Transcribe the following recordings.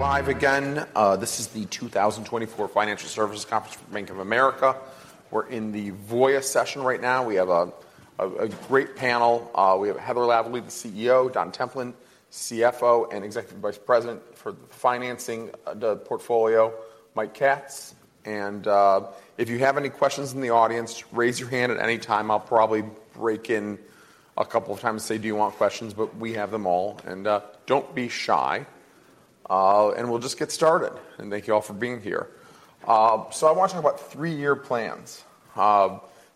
We're live again. This is the 2024 Financial Services Conference for Bank of America. We're in the Voya session right now. We have a great panel. We have Heather Lavallee, the CEO; Don Templin, CFO and Executive Vice President for the financing of the portfolio; Mike Katz. If you have any questions in the audience, raise your hand at any time. I'll probably break in a couple of times and say, "Do you want questions?" We have them all. Don't be shy. We'll just get started. Thank you all for being here. I want to talk about three-year plans.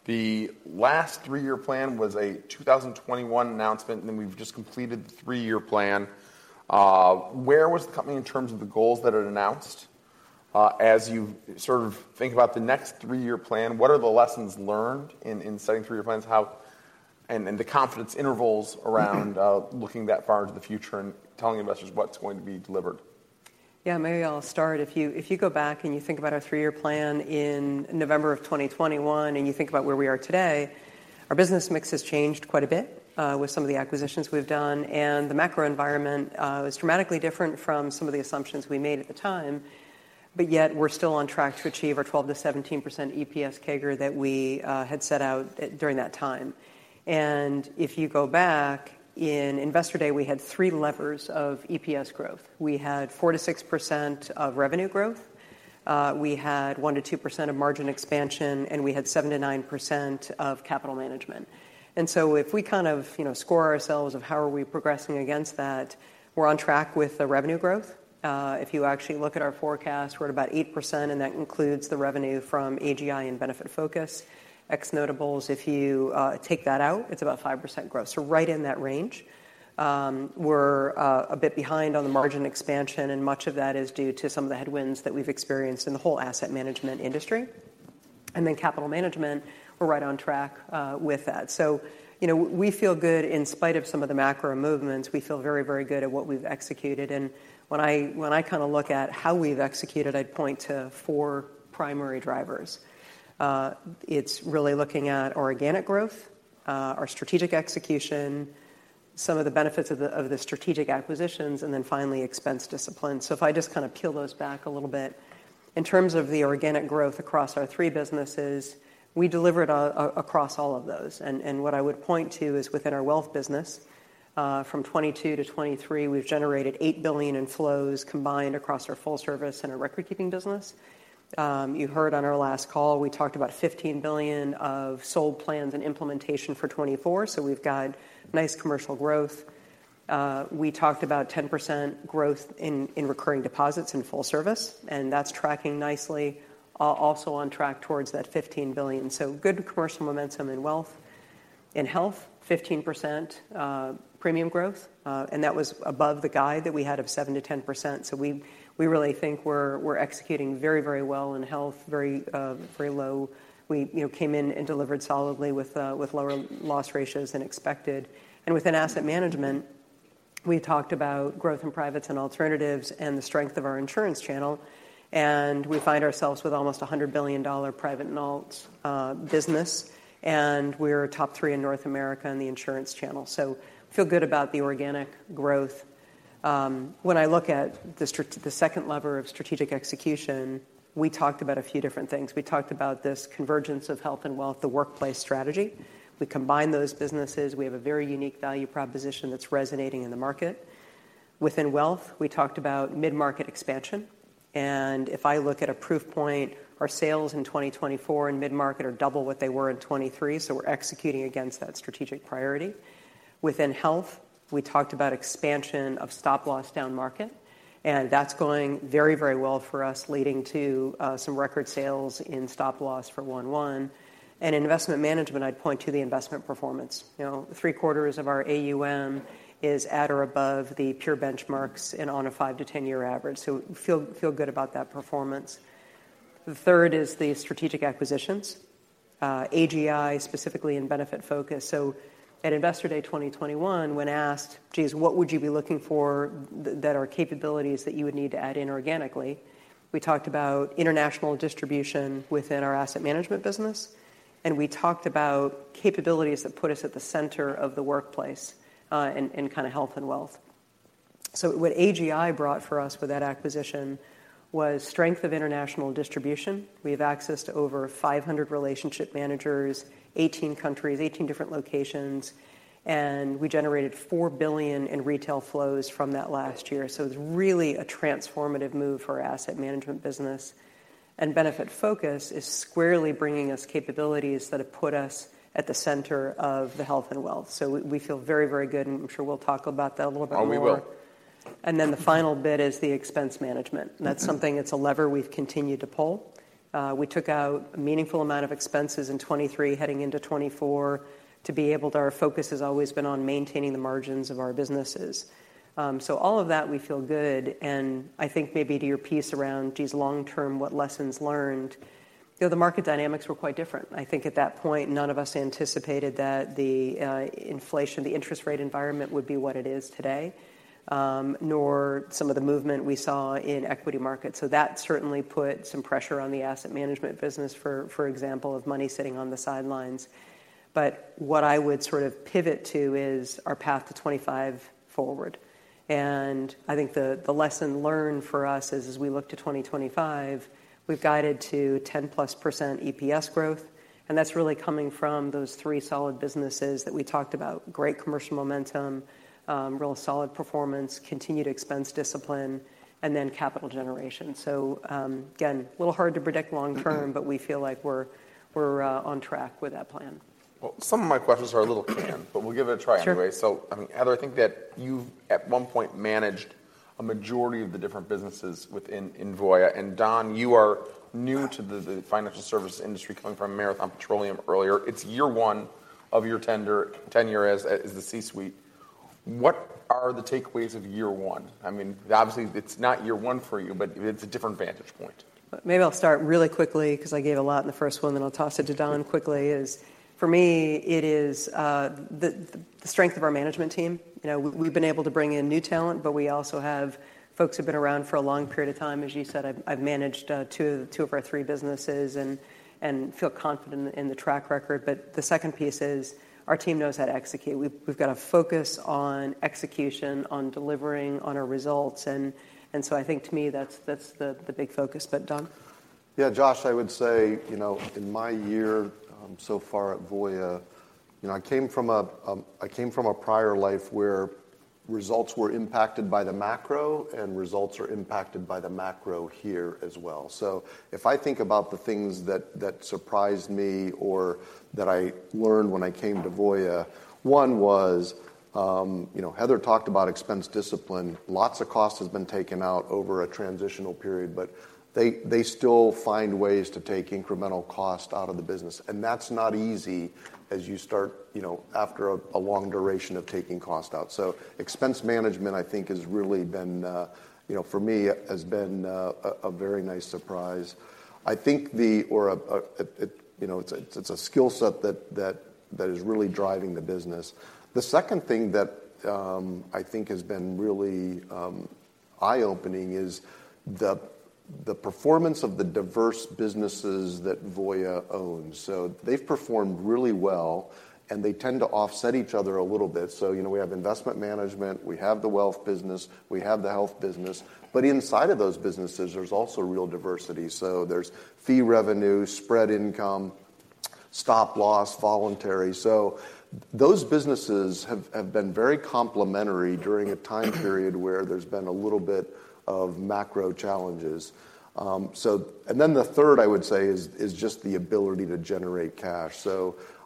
The last three-year plan was a 2021 announcement, and then we've just completed the three-year plan. Where was the company in terms of the goals that it announced? As you sort of think about the next three-year plan, what are the lessons learned in setting three-year plans? And the confidence intervals around looking that far into the future and telling investors what's going to be delivered? Yeah, maybe I'll start. If you go back and you think about our three-year plan in November of 2021 and you think about where we are today, our business mix has changed quite a bit with some of the acquisitions we've done. And the macro environment was dramatically different from some of the assumptions we made at the time. But yet, we're still on track to achieve our 12%-17% EPS CAGR that we had set out during that time. And if you go back, in Investor Day, we had three levers of EPS growth. We had 4%-6% of revenue growth. We had 1%-2% of margin expansion. And we had 7%-9% of capital management. And so if we kind of score ourselves of how are we progressing against that, we're on track with the revenue growth. If you actually look at our forecast, we're at about 8%. That includes the revenue from AGI and Benefitfocus. Ex-notables, if you take that out, it's about 5% growth. Right in that range. We're a bit behind on the margin expansion. Much of that is due to some of the headwinds that we've experienced in the whole asset management industry. Then capital management, we're right on track with that. We feel good in spite of some of the macro movements. We feel very, very good at what we've executed. When I kind of look at how we've executed, I'd point to four primary drivers. It's really looking at organic growth, our strategic execution, some of the benefits of the strategic acquisitions, and then finally expense discipline. So if I just kind of peel those back a little bit, in terms of the organic growth across our three businesses, we delivered across all of those. And what I would point to is within our wealth business, from 2022 to 2023, we've generated $8 billion in flows combined across our full service and our record-keeping business. You heard on our last call, we talked about $15 billion of sold plans and implementation for 2024. So we've got nice commercial growth. We talked about 10% growth in recurring deposits in full service. And that's tracking nicely, also on track towards that $15 billion. So good commercial momentum in wealth. In health, 15% premium growth. And that was above the guide that we had of 7%-10%. So we really think we're executing very, very well in health, very low. We came in and delivered solidly with lower loss ratios than expected. Within asset management, we talked about growth in private and alternatives and the strength of our insurance channel. We find ourselves with almost a $100 billion private and alt business. We're top three in North America in the insurance channel. So I feel good about the organic growth. When I look at the second lever of strategic execution, we talked about a few different things. We talked about this convergence of health and wealth, the workplace strategy. We combine those businesses. We have a very unique value proposition that's resonating in the market. Within wealth, we talked about mid-market expansion. If I look at a proof point, our sales in 2024 in mid-market are double what they were in 2023. We're executing against that strategic priority. Within health, we talked about expansion of stop loss down market. And that's going very, very well for us, leading to some record sales in stop loss for 1/1. And in investment management, I'd point to the investment performance. Three-quarters of our AUM is at or above the peer benchmarks and on a 5- to 10-year average. So we feel good about that performance. The third is the strategic acquisitions, AGI specifically and Benefitfocus. So at Investor Day 2021, when asked, "Geez, what would you be looking for that are capabilities that you would need to add in organically?" We talked about international distribution within our asset management business. And we talked about capabilities that put us at the center of the workplace in kind of health and wealth. So what AGI brought for us with that acquisition was strength of international distribution. We have access to over 500 relationship managers, 18 countries, 18 different locations. We generated $4 billion in retail flows from that last year. It's really a transformative move for our asset management business. Benefitfocus is squarely bringing us capabilities that have put us at the center of the health and wealth. We feel very, very good. I'm sure we'll talk about that a little bit more. Oh, we will. And then the final bit is the expense management. And that's something, it's a lever we've continued to pull. We took out a meaningful amount of expenses in 2023 heading into 2024 to be able to. Our focus has always been on maintaining the margins of our businesses. So all of that, we feel good. And I think maybe to your piece around, "Geez, long term, what lessons learned?" The market dynamics were quite different. I think at that point, none of us anticipated that the inflation, the interest rate environment would be what it is today, nor some of the movement we saw in equity markets. So that certainly put some pressure on the asset management business, for example, of money sitting on the sidelines. But what I would sort of pivot to is our path to 2025 forward. I think the lesson learned for us is, as we look to 2025, we've guided to 10%+ EPS growth. That's really coming from those three solid businesses that we talked about: great commercial momentum, real solid performance, continued expense discipline, and then capital generation. Again, a little hard to predict long term. We feel like we're on track with that plan. Well, some of my questions are a little canned. But we'll give it a try anyway. So Heather, I think that you've at one point managed a majority of the different businesses within Voya. And Don, you are new to the financial services industry, coming from Marathon Petroleum earlier. It's year one of your tenure as the C-suite. What are the takeaways of year one? I mean, obviously, it's not year one for you. But it's a different vantage point. Maybe I'll start really quickly, because I gave a lot in the first one. Then I'll toss it to Don quickly. For me, it is the strength of our management team. We've been able to bring in new talent. But we also have folks who've been around for a long period of time. As you said, I've managed two of our three businesses and feel confident in the track record. But the second piece is our team knows how to execute. We've got to focus on execution, on delivering, on our results. And so I think, to me, that's the big focus. But Don? Yeah, Josh, I would say, in my year so far at Voya, I came from a prior life where results were impacted by the macro. Results are impacted by the macro here as well. So if I think about the things that surprised me or that I learned when I came to Voya, one was Heather talked about expense discipline. Lots of cost has been taken out over a transitional period. But they still find ways to take incremental cost out of the business. And that's not easy as you start after a long duration of taking cost out. So expense management, I think, has really been, for me, has been a very nice surprise. I think the or it's a skill set that is really driving the business. The second thing that I think has been really eye-opening is the performance of the diverse businesses that Voya owns. So they've performed really well. They tend to offset each other a little bit. We have investment management. We have the wealth business. We have the health business. But inside of those businesses, there's also real diversity. There's fee revenue, spread income, stop loss, voluntary. Those businesses have been very complementary during a time period where there's been a little bit of macro challenges. The third, I would say, is just the ability to generate cash.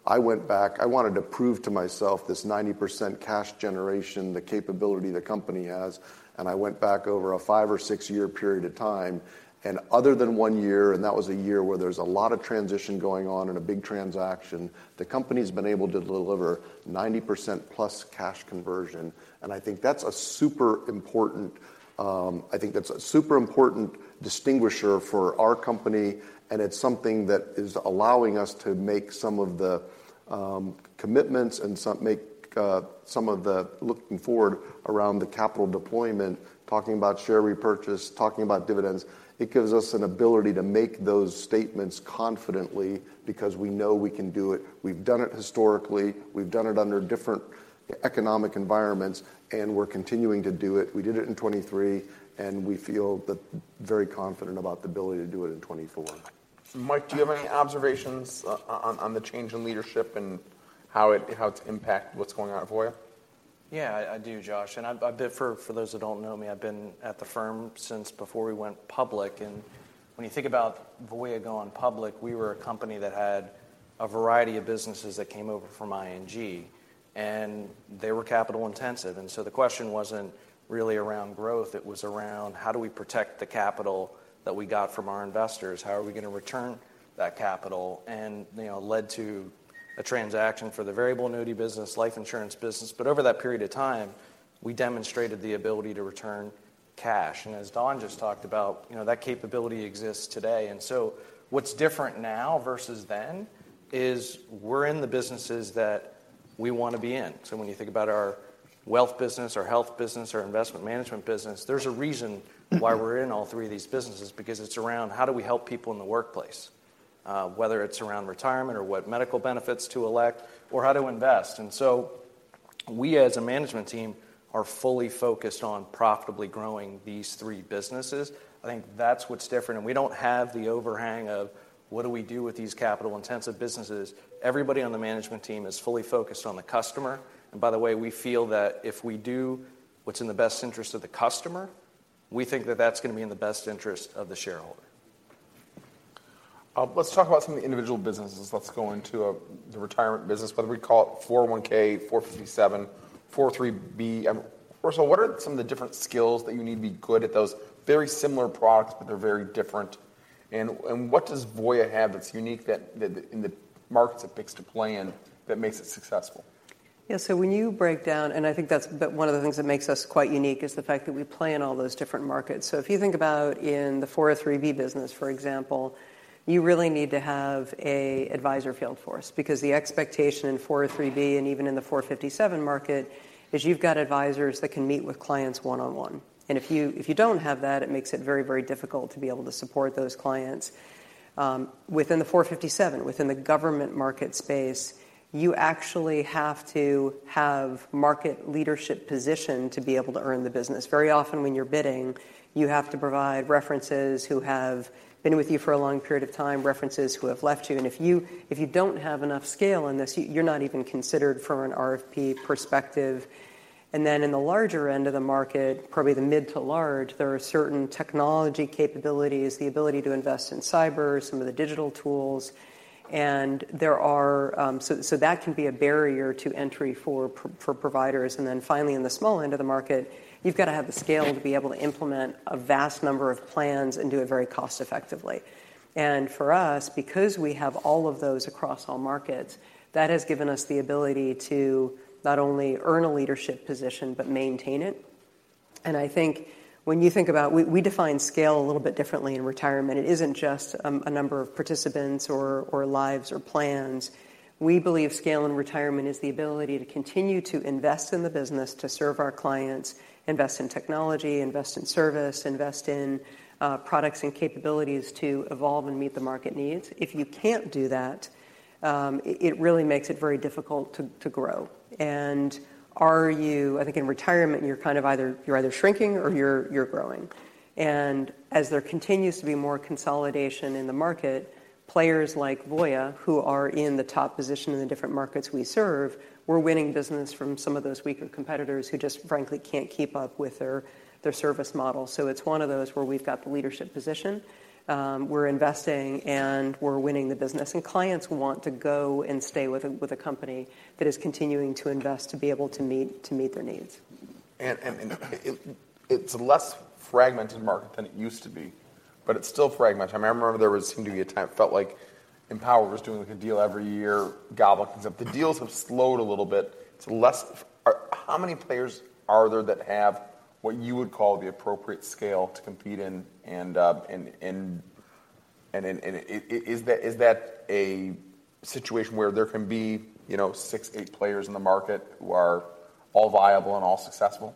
I went back. I wanted to prove to myself this 90% cash generation, the capability the company has. I went back over a 5- or 6-year period of time. Other than one year, and that was a year where there was a lot of transition going on and a big transaction, the company's been able to deliver 90%+ cash conversion. I think that's a super important distinguisher for our company. And it's something that is allowing us to make some of the commitments and make some of the looking forward around the capital deployment, talking about share repurchase, talking about dividends. It gives us an ability to make those statements confidently, because we know we can do it. We've done it historically. We've done it under different economic environments. And we're continuing to do it. We did it in 2023. And we feel very confident about the ability to do it in 2024. Mike, do you have any observations on the change in leadership and how it's impacted what's going on at Voya? Yeah, I do, Josh. And for those that don't know me, I've been at the firm since before we went public. And when you think about Voya gone public, we were a company that had a variety of businesses that came over from ING. And they were capital intensive. And so the question wasn't really around growth. It was around, how do we protect the capital that we got from our investors? How are we going to return that capital? And led to a transaction for the variable annuity business, life insurance business. But over that period of time, we demonstrated the ability to return cash. And as Don just talked about, that capability exists today. And so what's different now versus then is we're in the businesses that we want to be in. So when you think about our wealth business, our health business, our investment management business, there's a reason why we're in all three of these businesses, because it's around, how do we help people in the workplace, whether it's around retirement or what medical benefits to elect or how to invest? And so we, as a management team, are fully focused on profitably growing these three businesses. I think that's what's different. And we don't have the overhang of, what do we do with these capital-intensive businesses? Everybody on the management team is fully focused on the customer. And by the way, we feel that if we do what's in the best interest of the customer, we think that that's going to be in the best interest of the shareholder. Let's talk about some of the individual businesses. Let's go into the retirement business, whether we call it 401(k), 457, 403(b). Tell us, what are some of the different skills that you need to be good at those very similar products, but they're very different? And what does Voya have that's unique in the markets it picks to play in that makes it successful? Yeah, so when you break down and I think that's one of the things that makes us quite unique is the fact that we play in all those different markets. So if you think about in the 403(b) business, for example, you really need to have an advisor field for us, because the expectation in 403(b) and even in the 457 market is you've got advisors that can meet with clients one-on-one. And if you don't have that, it makes it very, very difficult to be able to support those clients. Within the 457, within the government market space, you actually have to have market leadership position to be able to earn the business. Very often, when you're bidding, you have to provide references who have been with you for a long period of time, references who have left you. If you don't have enough scale in this, you're not even considered from an RFP perspective. In the larger end of the market, probably the mid to large, there are certain technology capabilities, the ability to invest in cyber, some of the digital tools. And there are so that can be a barrier to entry for providers. Finally, in the small end of the market, you've got to have the scale to be able to implement a vast number of plans and do it very cost-effectively. For us, because we have all of those across all markets, that has given us the ability to not only earn a leadership position, but maintain it. I think when you think about we define scale a little bit differently in retirement. It isn't just a number of participants or lives or plans. We believe scale in retirement is the ability to continue to invest in the business, to serve our clients, invest in technology, invest in service, invest in products and capabilities to evolve and meet the market needs. If you can't do that, it really makes it very difficult to grow. And you know, I think in retirement, you're kind of either shrinking or you're growing. And as there continues to be more consolidation in the market, players like Voya, who are in the top position in the different markets we serve, we're winning business from some of those weaker competitors who just, frankly, can't keep up with their service model. So it's one of those where we've got the leadership position. We're investing. And we're winning the business. Clients want to go and stay with a company that is continuing to invest to be able to meet their needs. It's a less fragmented market than it used to be. It's still fragmented. I remember there seemed to be a time it felt like Empower was doing a good deal every year, gobbling things up. The deals have slowed a little bit. How many players are there that have what you would call the appropriate scale to compete in? And is that a situation where there can be six, eight players in the market who are all viable and all successful?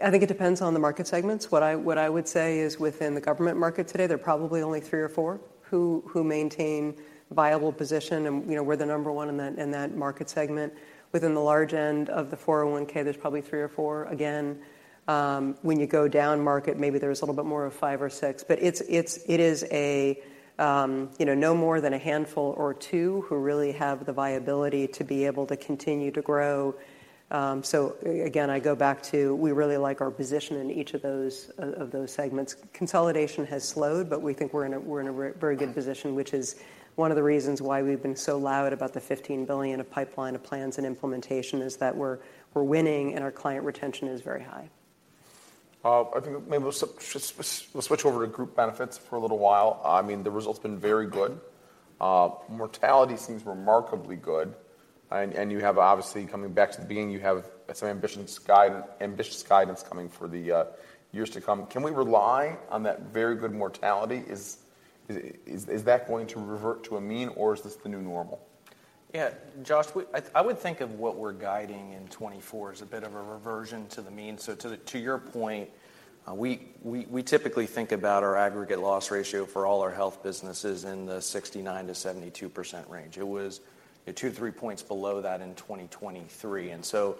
I think it depends on the market segments. What I would say is, within the government market today, there are probably only 3 or 4 who maintain viable position and we're the number one in that market segment. Within the large end of the 401(k), there's probably 3 or 4. Again, when you go down market, maybe there's a little bit more of 5 or 6. But it is no more than a handful or two who really have the viability to be able to continue to grow. So again, I go back to we really like our position in each of those segments. Consolidation has slowed. But we think we're in a very good position, which is one of the reasons why we've been so loud about the $15 billion of pipeline of plans and implementation, is that we're winning. And our client retention is very high. I think maybe we'll switch over to group benefits for a little while. I mean, the results have been very good. Mortality seems remarkably good. You have, obviously, coming back to the beginning, you have some ambitious guidance coming for the years to come. Can we rely on that very good mortality? Is that going to revert to a mean? Or is this the new normal? Yeah, Josh, I would think of what we're guiding in 2024 as a bit of a reversion to the mean. So to your point, we typically think about our aggregate loss ratio for all our health businesses in the 69%-72% range. It was two to three points below that in 2023. And so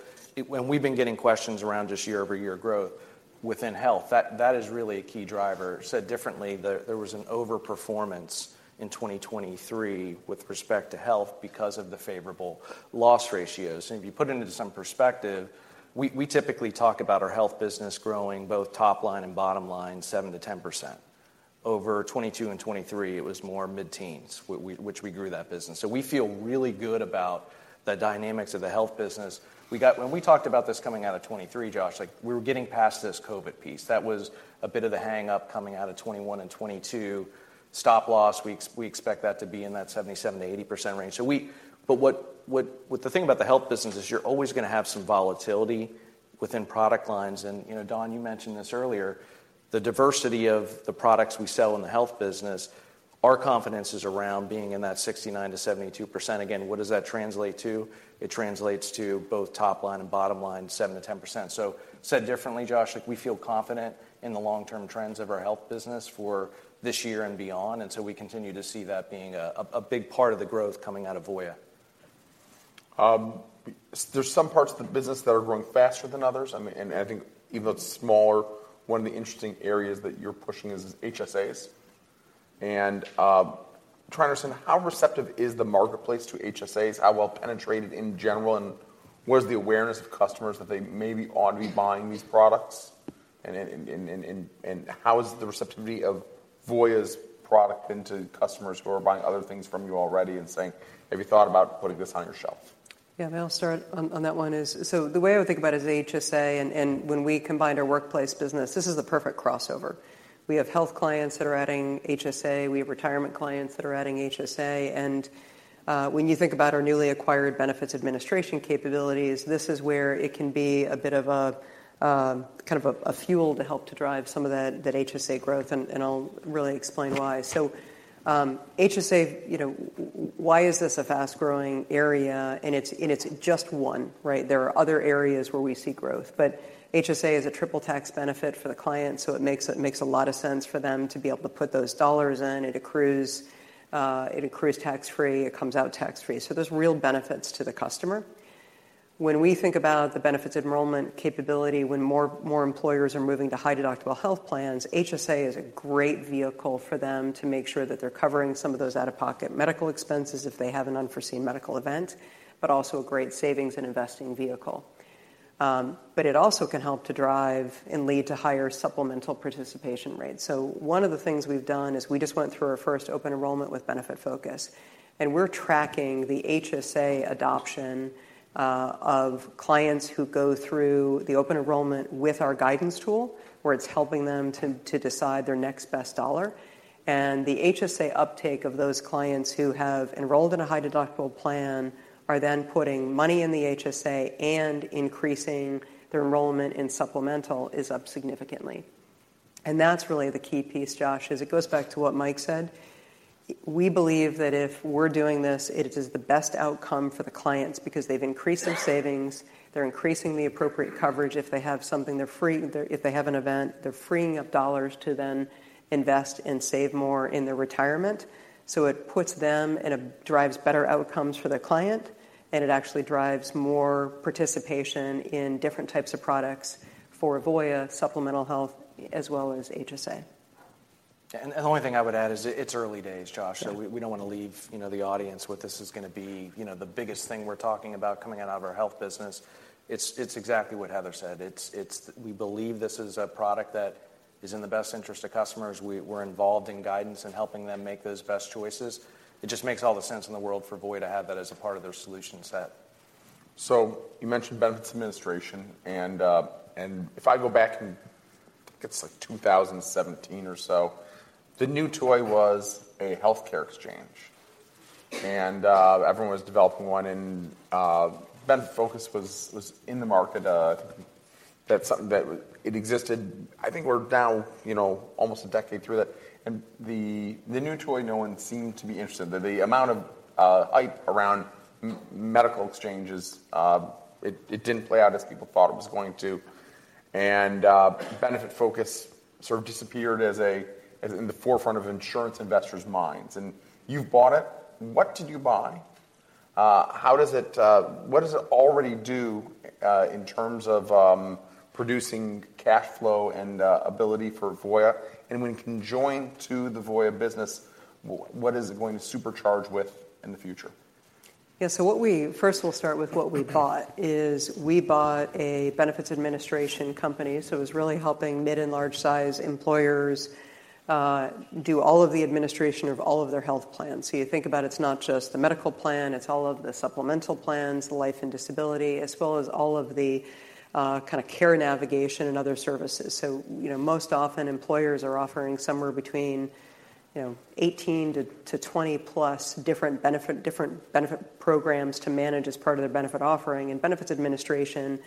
when we've been getting questions around just year-over-year growth within health, that is really a key driver. Said differently, there was an overperformance in 2023 with respect to health because of the favorable loss ratios. And if you put it into some perspective, we typically talk about our health business growing both top line and bottom line, 7%-10%. Over 2022 and 2023, it was more mid-teens, which we grew that business. So we feel really good about the dynamics of the health business. When we talked about this coming out of 2023, Josh, we were getting past this COVID piece. That was a bit of the hang-up coming out of 2021 and 2022. Stop loss, we expect that to be in that 77%-80% range. But the thing about the health business is, you're always going to have some volatility within product lines. And Don, you mentioned this earlier. The diversity of the products we sell in the health business, our confidence is around being in that 69%-72%. Again, what does that translate to? It translates to both top line and bottom line, 7%-10%. So said differently, Josh, we feel confident in the long-term trends of our health business for this year and beyond. And so we continue to see that being a big part of the growth coming out of Voya. There's some parts of the business that are growing faster than others. And I think, even though it's smaller, one of the interesting areas that you're pushing is HSAs. And trying to understand, how receptive is the marketplace to HSAs? How well-penetrated in general? And where's the awareness of customers that they maybe ought to be buying these products? And how is the receptivity of Voya's product been to customers who are buying other things from you already and saying, have you thought about putting this on your shelf? Yeah, maybe I'll start on that one. So the way I would think about it is HSA. And when we combined our workplace business, this is the perfect crossover. We have health clients that are adding HSA. We have retirement clients that are adding HSA. And when you think about our newly acquired benefits administration capabilities, this is where it can be a bit of a kind of a fuel to help to drive some of that HSA growth. And I'll really explain why. So HSA, why is this a fast-growing area? And it's just one. There are other areas where we see growth. But HSA is a triple tax benefit for the client. So it makes a lot of sense for them to be able to put those dollars in. It accrues. It accrues tax-free. It comes out tax-free. So there's real benefits to the customer. When we think about the benefits enrollment capability, when more employers are moving to high-deductible health plans, HSA is a great vehicle for them to make sure that they're covering some of those out-of-pocket medical expenses if they have an unforeseen medical event, but also a great savings and investing vehicle. But it also can help to drive and lead to higher supplemental participation rates. So one of the things we've done is, we just went through our first open enrollment with Benefitfocus. And we're tracking the HSA adoption of clients who go through the open enrollment with our guidance tool, where it's helping them to decide their next best dollar. And the HSA uptake of those clients who have enrolled in a high-deductible plan are then putting money in the HSA and increasing their enrollment in supplemental is up significantly. And that's really the key piece, Josh, is it goes back to what Mike said. We believe that if we're doing this, it is the best outcome for the clients, because they've increased their savings. They're increasing the appropriate coverage. If they have something they're freeing if they have an event, they're freeing up dollars to then invest and save more in their retirement. So it puts them and it drives better outcomes for the client. And it actually drives more participation in different types of products for Voya, supplemental health, as well as HSA. The only thing I would add is, it's early days, Josh. So we don't want to leave the audience with this is going to be the biggest thing we're talking about coming out of our health business. It's exactly what Heather said. We believe this is a product that is in the best interest of customers. We're involved in guidance and helping them make those best choices. It just makes all the sense in the world for Voya to have that as a part of their solution set. So you mentioned benefits administration. And if I go back and I think it's like 2017 or so, the new toy was a health care exchange. And everyone was developing one. And Benefitfocus was in the market. I think that's something that it existed. I think we're now almost a decade through that. And the new toy, no one seemed to be interested. The amount of hype around medical exchanges, it didn't play out as people thought it was going to. And Benefitfocus sort of disappeared as in the forefront of insurance investors' minds. And you've bought it. What did you buy? What does it already do in terms of producing cash flow and ability for Voya? And when conjoined to the Voya business, what is it going to supercharge with in the future? Yeah, so what we first, we'll start with what we bought is, we bought a benefits administration company. So it was really helping mid and large-sized employers do all of the administration of all of their health plans. So you think about it's not just the medical plan. It's all of the supplemental plans, the life and disability, as well as all of the kind of care navigation and other services. So most often, employers are offering somewhere between 18%-20% plus different benefit programs to manage as part of their benefit offering. And benefits administration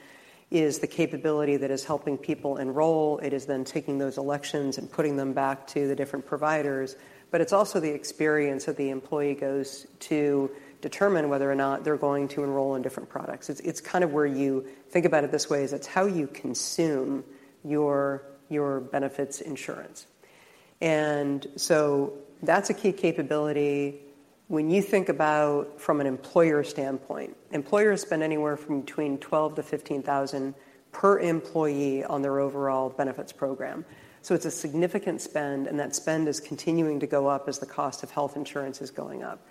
is the capability that is helping people enroll. It is then taking those elections and putting them back to the different providers. But it's also the experience that the employee goes to determine whether or not they're going to enroll in different products. It's kind of where you think about it this way, is it's how you consume your benefits insurance. And so that's a key capability. When you think about from an employer standpoint, employers spend anywhere from between $12,000-$15,000 per employee on their overall benefits program. So it's a significant spend. And that spend is continuing to go up as the cost of health insurance is going up.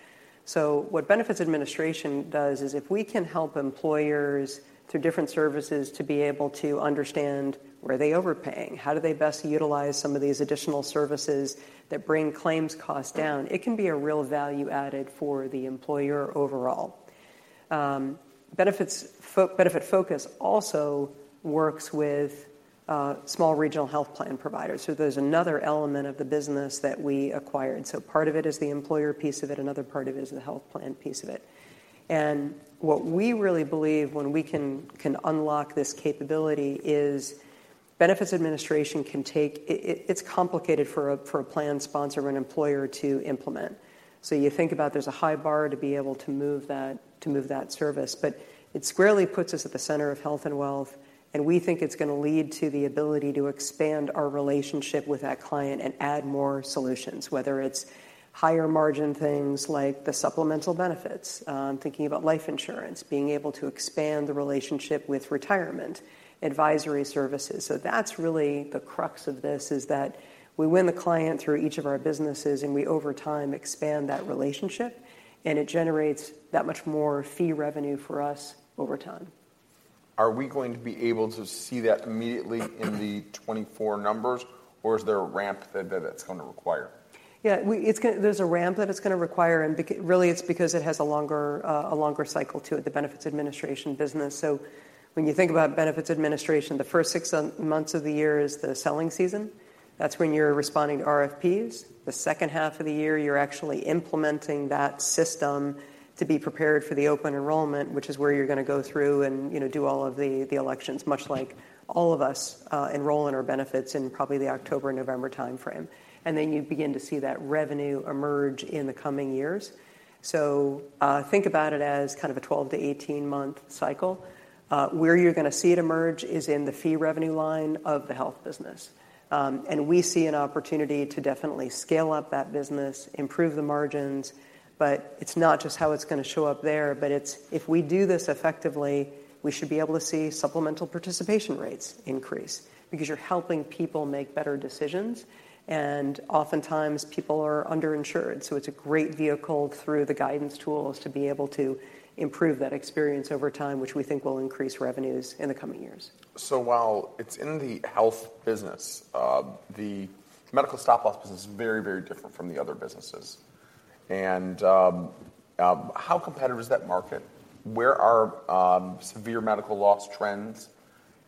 So what benefits administration does is, if we can help employers through different services to be able to understand where they're overpaying, how do they best utilize some of these additional services that bring claims costs down, it can be a real value added for the employer overall. Benefitfocus also works with small regional health plan providers. So there's another element of the business that we acquired. So part of it is the employer piece of it. Another part of it is the health plan piece of it. And what we really believe, when we can unlock this capability, is benefits administration can take. It's complicated for a plan sponsor or an employer to implement. So you think about, there's a high bar to be able to move that service. But it squarely puts us at the center of health and wealth. And we think it's going to lead to the ability to expand our relationship with that client and add more solutions, whether it's higher margin things like the supplemental benefits, thinking about life insurance, being able to expand the relationship with retirement advisory services. So that's really the crux of this, is that we win the client through each of our businesses. And we over time expand that relationship. And it generates that much more fee revenue for us over time. Are we going to be able to see that immediately in the 2024 numbers? Or is there a ramp that that's going to require? Yeah, there's a ramp that it's going to require. And really, it's because it has a longer cycle to it, the benefits administration business. So when you think about benefits administration, the first six months of the year is the selling season. That's when you're responding to RFPs. The second half of the year, you're actually implementing that system to be prepared for the open enrollment, which is where you're going to go through and do all of the elections, much like all of us enroll in our benefits in probably the October and November time frame. And then you begin to see that revenue emerge in the coming years. So think about it as kind of a 12-18-month cycle. Where you're going to see it emerge is in the fee revenue line of the health business. We see an opportunity to definitely scale up that business, improve the margins. It's not just how it's going to show up there. If we do this effectively, we should be able to see supplemental participation rates increase, because you're helping people make better decisions. Oftentimes, people are underinsured. It's a great vehicle through the guidance tools to be able to improve that experience over time, which we think will increase revenues in the coming years. So while it's in the health business, the medical stop loss business is very, very different from the other businesses. And how competitive is that market? Where are severe medical loss trends?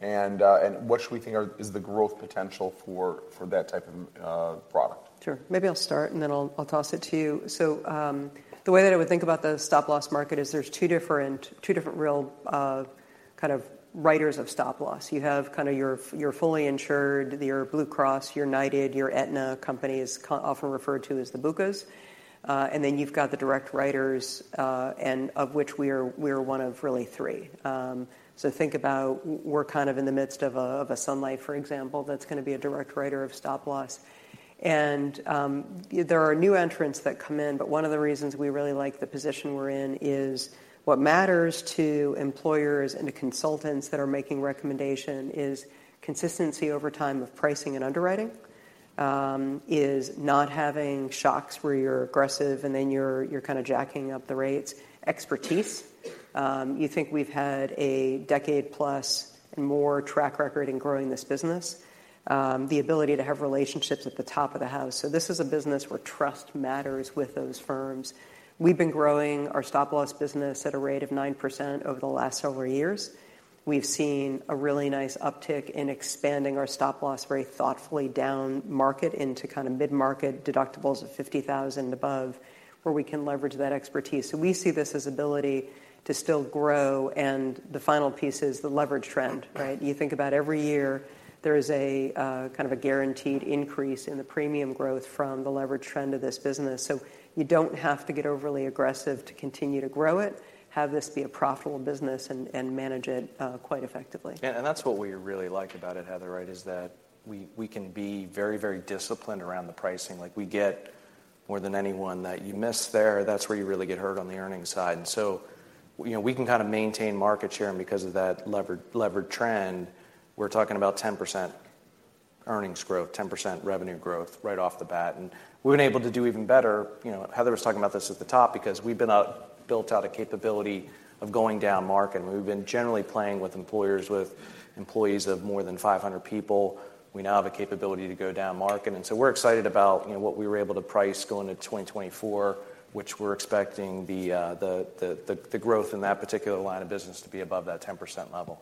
And what should we think is the growth potential for that type of product? Sure. Maybe I'll start. And then I'll toss it to you. So the way that I would think about the stop loss market is, there's two different real kind of writers of stop loss. You have kind of your fully insured, your Blue Cross, your United, your Aetna company, is often referred to as the BUCAs. And then you've got the direct writers, of which we are one of really three. So think about we're kind of in the midst of a Sun Life, for example, that's going to be a direct writer of stop loss. And there are new entrants that come in. But one of the reasons we really like the position we're in is what matters to employers and to consultants that are making recommendations is consistency over time of pricing and underwriting, is not having shocks where you're aggressive and then you're kind of jacking up the rates, expertise. You think we've had a decade-plus and more track record in growing this business, the ability to have relationships at the top of the house. So this is a business where trust matters with those firms. We've been growing our stop loss business at a rate of 9% over the last several years. We've seen a really nice uptick in expanding our stop loss very thoughtfully down market into kind of mid-market deductibles of $50,000 and above, where we can leverage that expertise. So we see this as ability to still grow. And the final piece is the leverage trend. You think about every year, there is kind of a guaranteed increase in the premium growth from the leverage trend of this business. So you don't have to get overly aggressive to continue to grow it. Have this be a profitable business and manage it quite effectively. And that's what we really like about it, Heather, right, is that we can be very, very disciplined around the pricing. We get more than anyone that you miss there. That's where you really get hurt on the earnings side. And so we can kind of maintain market share. And because of that leverage trend, we're talking about 10% earnings growth, 10% revenue growth right off the bat. And we've been able to do even better. Heather was talking about this at the top, because we've been built out a capability of going down market. And we've been generally playing with employers with employees of more than 500 people. We now have a capability to go down market. And so we're excited about what we were able to price going into 2024, which we're expecting the growth in that particular line of business to be above that 10% level.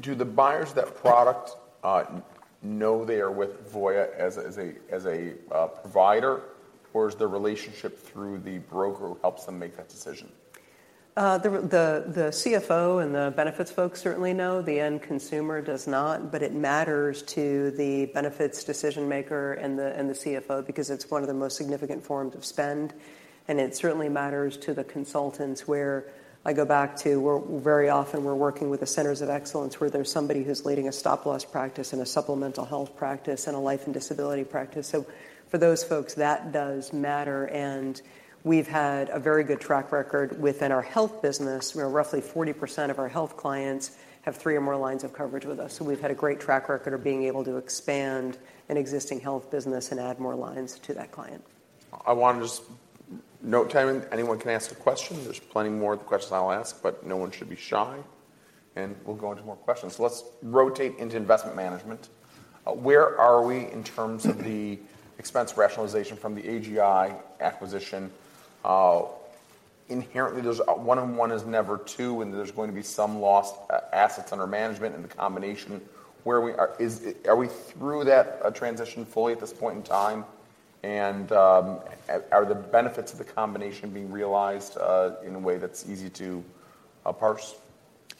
Do the buyers of that product know they are with Voya as a provider? Or is the relationship through the broker who helps them make that decision? The CFO and the benefits folks certainly know. The end consumer does not. But it matters to the benefits decision maker and the CFO, because it's one of the most significant forms of spend. And it certainly matters to the consultants, where I go back to, very often, we're working with the centers of excellence, where there's somebody who's leading a stop loss practice and a supplemental health practice and a life and disability practice. So for those folks, that does matter. And we've had a very good track record within our health business. Roughly 40% of our health clients have three or more lines of coverage with us. So we've had a great track record of being able to expand an existing health business and add more lines to that client. I want to just note, Tammy, anyone can ask a question. There's plenty more questions I'll ask. But no one should be shy. And we'll go into more questions. So let's rotate into investment management. Where are we in terms of the expense rationalization from the AGI acquisition? Inherently, one on one is never two. And there's going to be some lost assets under management in the combination. Are we through that transition fully at this point in time? And are the benefits of the combination being realized in a way that's easy to parse?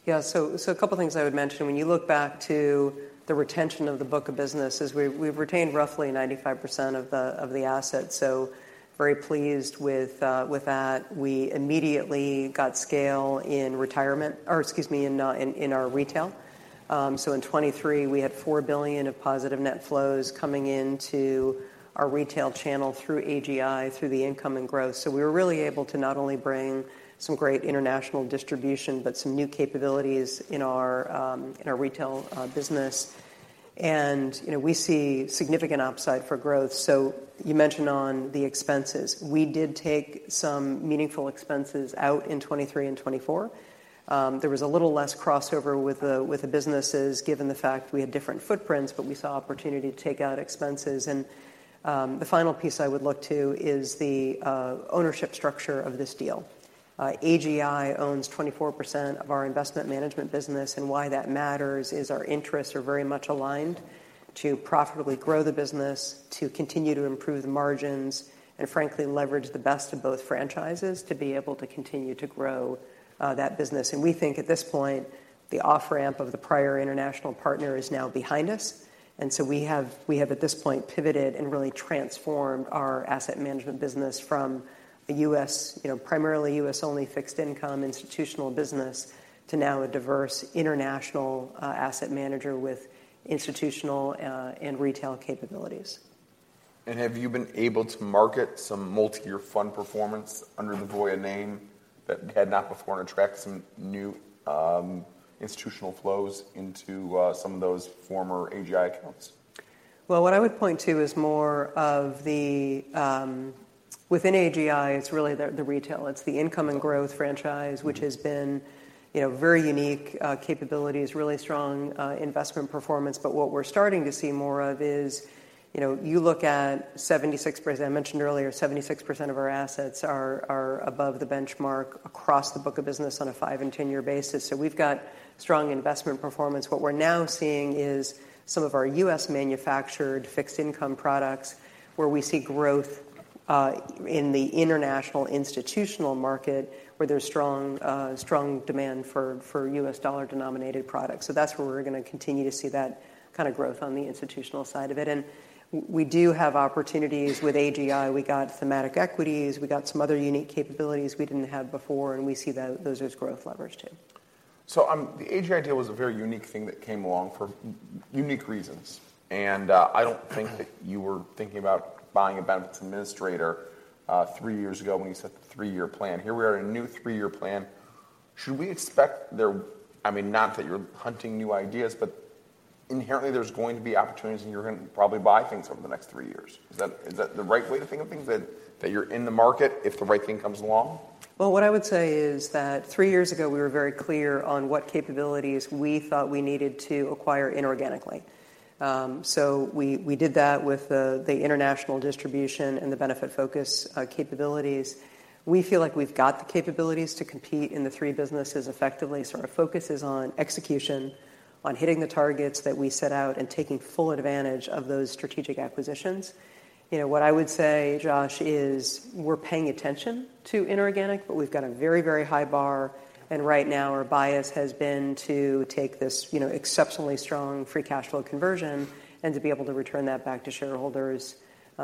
Yeah, so a couple of things I would mention. When you look back to the retention of the book of businesses, we've retained roughly 95% of the assets. So very pleased with that. We immediately got scale in retirement or excuse me, in our retail. So in 2023, we had $4 billion of positive net flows coming into our retail channel through AGI, through the Income and Growth. So we were really able to not only bring some great international distribution, but some new capabilities in our retail business. And we see significant upside for growth. So you mentioned on the expenses. We did take some meaningful expenses out in 2023 and 2024. There was a little less crossover with the businesses, given the fact we had different footprints. But we saw opportunity to take out expenses. The final piece I would look to is the ownership structure of this deal. AGI owns 24% of our investment management business. Why that matters is, our interests are very much aligned to profitably grow the business, to continue to improve the margins, and frankly, leverage the best of both franchises to be able to continue to grow that business. We think at this point, the off-ramp of the prior international partner is now behind us. So we have, at this point, pivoted and really transformed our asset management business from a primarily U.S.-only fixed income institutional business to now a diverse international asset manager with institutional and retail capabilities. Have you been able to market some multi-year fund performance under the Voya name that had not before and attract some new institutional flows into some of those former AGI accounts? Well, what I would point to is more of the within AGI, it's really the retail. It's the Income and Growth franchise, which has been very unique capabilities, really strong investment performance. But what we're starting to see more of is, you look at 76% as I mentioned earlier, 76% of our assets are above the benchmark across the book of business on a 5- and 10-year basis. So we've got strong investment performance. What we're now seeing is some of our U.S.-manufactured fixed income products, where we see growth in the international institutional market, where there's strong demand for U.S. dollar denominated products. So that's where we're going to continue to see that kind of growth on the institutional side of it. And we do have opportunities with AGI. We got thematic equities. We got some other unique capabilities we didn't have before. We see those as growth leverage, too. So the AGI deal was a very unique thing that came along for unique reasons. And I don't think that you were thinking about buying a benefits administrator three years ago when you set the three-year plan. Here we are in a new three-year plan. Should we expect there? I mean, not that you're hunting new ideas. But inherently, there's going to be opportunities. And you're going to probably buy things over the next three years. Is that the right way to think of things, that you're in the market if the right thing comes along? Well, what I would say is that three years ago, we were very clear on what capabilities we thought we needed to acquire inorganically. So we did that with the international distribution and the Benefitfocus capabilities. We feel like we've got the capabilities to compete in the three businesses effectively. So our focus is on execution, on hitting the targets that we set out, and taking full advantage of those strategic acquisitions. What I would say, Josh, is, we're paying attention to inorganic. But we've got a very, very high bar. And right now, our bias has been to take this exceptionally strong free cash flow conversion and to be able to return that back to shareholders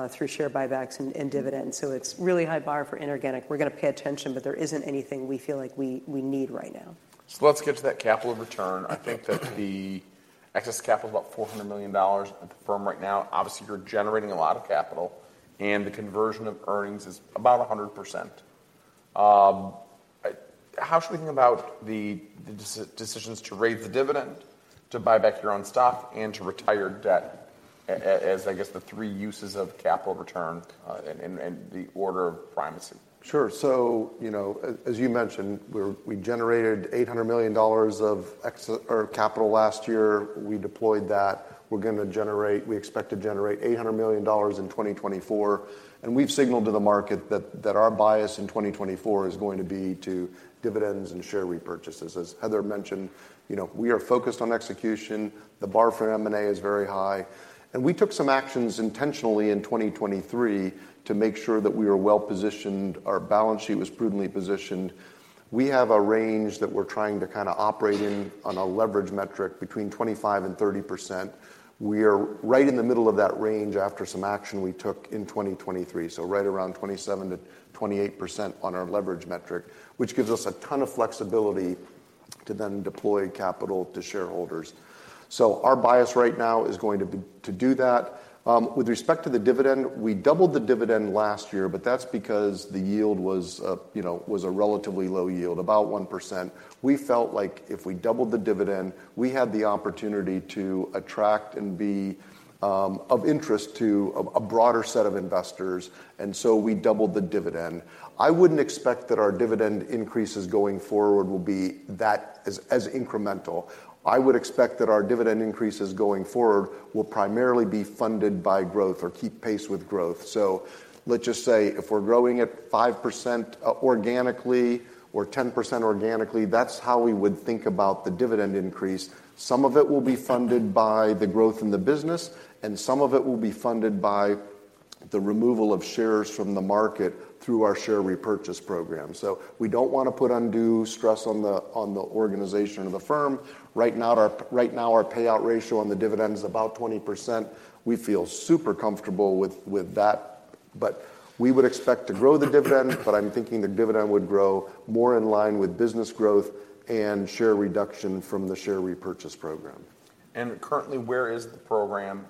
through share buybacks and dividends. So it's really high bar for inorganic. We're going to pay attention. But there isn't anything we feel like we need right now. Let's get to that capital return. I think that the excess capital is about $400 million at the firm right now. Obviously, you're generating a lot of capital. The conversion of earnings is about 100%. How should we think about the decisions to raise the dividend, to buy back your own stock, and to retire debt as, I guess, the three uses of capital return and the order of primacy? Sure. So as you mentioned, we generated $800 million of capital last year. We deployed that. We're going to generate; we expect to generate $800 million in 2024. And we've signaled to the market that our bias in 2024 is going to be to dividends and share repurchases. As Heather mentioned, we are focused on execution. The bar for M&A is very high. And we took some actions intentionally in 2023 to make sure that we were well positioned. Our balance sheet was prudently positioned. We have a range that we're trying to kind of operate in on a leverage metric between 25%-30%. We are right in the middle of that range after some action we took in 2023, so right around 27%-28% on our leverage metric, which gives us a ton of flexibility to then deploy capital to shareholders. Our bias right now is going to do that. With respect to the dividend, we doubled the dividend last year. But that's because the yield was a relatively low yield, about 1%. We felt like if we doubled the dividend, we had the opportunity to attract and be of interest to a broader set of investors. And so we doubled the dividend. I wouldn't expect that our dividend increases going forward will be that incremental. I would expect that our dividend increases going forward will primarily be funded by growth or keep pace with growth. So let's just say, if we're growing at 5% organically or 10% organically, that's how we would think about the dividend increase. Some of it will be funded by the growth in the business. And some of it will be funded by the removal of shares from the market through our share repurchase program. So we don't want to put undue stress on the organization or the firm. Right now, our payout ratio on the dividend is about 20%. We feel super comfortable with that. But we would expect to grow the dividend. But I'm thinking the dividend would grow more in line with business growth and share reduction from the share repurchase program. Currently, where is the program?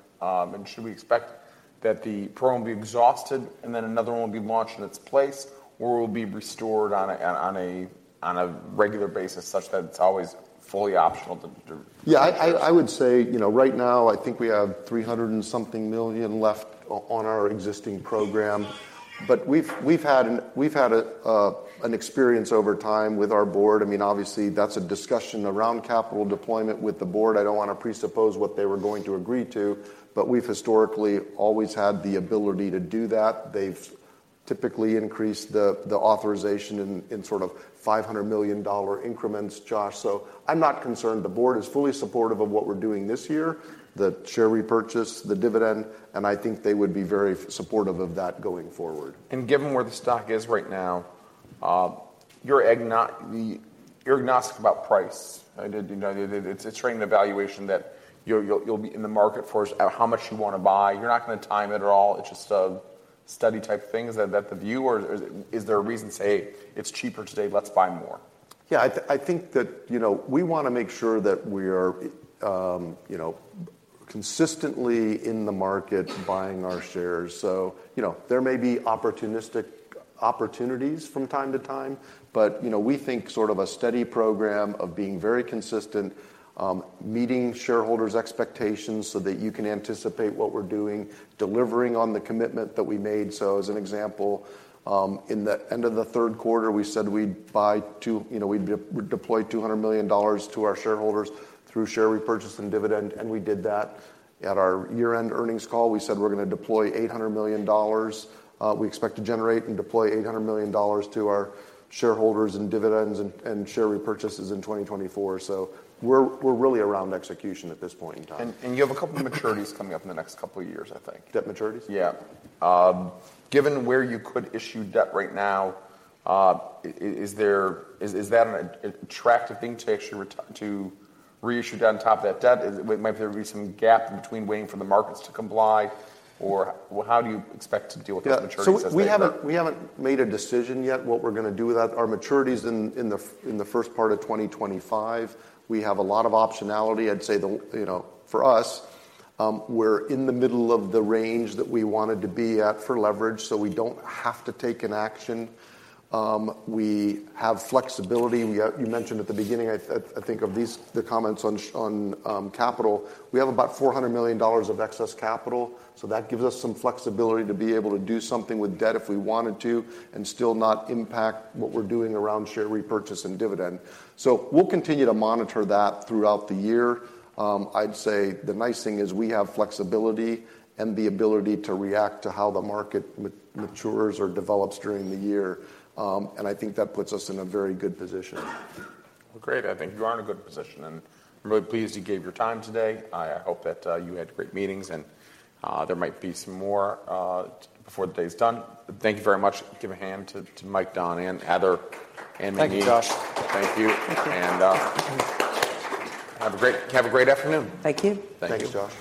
Should we expect that the program will be exhausted and then another one will be launched in its place, or will it be restored on a regular basis such that it's always fully optional to? Yeah, I would say right now, I think we have $300 and something million left on our existing program. But we've had an experience over time with our board. I mean, obviously, that's a discussion around capital deployment with the board. I don't want to presuppose what they were going to agree to. But we've historically always had the ability to do that. They've typically increased the authorization in sort of $500 million increments, Josh. So I'm not concerned. The board is fully supportive of what we're doing this year, the share repurchase, the dividend. And I think they would be very supportive of that going forward. Given where the stock is right now, you're agnostic about price. It's right in the valuation that you'll be in the market for how much you want to buy. You're not going to time it at all. It's just a study type thing. Is that the view? Or is there a reason to say, hey, it's cheaper today. Let's buy more? Yeah, I think that we want to make sure that we are consistently in the market buying our shares. So there may be opportunistic opportunities from time to time. But we think sort of a steady program of being very consistent, meeting shareholders' expectations so that you can anticipate what we're doing, delivering on the commitment that we made. So as an example, at the end of the third quarter, we said we'd deploy $200 million to our shareholders through share repurchase and dividend. And we did that. At our year-end earnings call, we said we're going to deploy $800 million. We expect to generate and deploy $800 million to our shareholders in dividends and share repurchases in 2024. So we're really around execution at this point in time. And you have a couple of maturities coming up in the next couple of years, I think. Debt maturities? Yeah. Given where you could issue debt right now, is that an attractive thing to actually reissue on top of that debt? Might there be some gap between waiting for the markets to comply? Or how do you expect to deal with those maturities as they come? So we haven't made a decision yet what we're going to do with that. Our maturities in the first part of 2025, we have a lot of optionality, I'd say, for us. We're in the middle of the range that we wanted to be at for leverage. So we don't have to take an action. We have flexibility. You mentioned at the beginning, I think, of the comments on capital, we have about $400 million of excess capital. So that gives us some flexibility to be able to do something with debt if we wanted to and still not impact what we're doing around share repurchase and dividend. So we'll continue to monitor that throughout the year. I'd say the nice thing is, we have flexibility and the ability to react to how the market matures or develops during the year. I think that puts us in a very good position. Well, great. I think you are in a good position. I'm really pleased you gave your time today. I hope that you had great meetings. There might be some more before the day is done. Thank you very much. Give a hand to Mike, Don, and Heather and Mei Ni. Thank you, Josh. Thank you. Have a great afternoon. Thank you. Thank you, Josh.